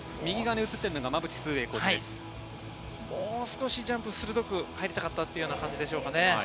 もう少し鋭く入りたかったという感じでしょうかね。